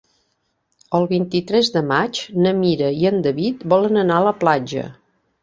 El vint-i-tres de maig na Mira i en David volen anar a la platja.